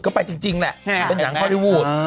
ก็ไปจริงแหละเป็นหนังฮอลลี่วูด